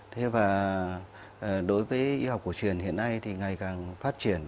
thế và đối với y học cổ truyền hiện nay thì ngày càng phát triển